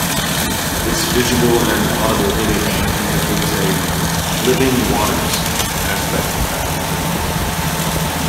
This visual and audible image communicates a "living waters" aspect of baptism.